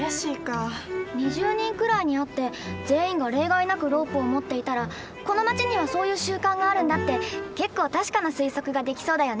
２０人くらいに会って全員が例外なくロープを持っていたらこの町にはそういう習慣があるんだって結構確かな推測ができそうだよね。